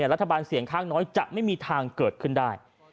รัฐบาลเสียงข้างน้อยจะไม่มีทางเกิดขึ้นได้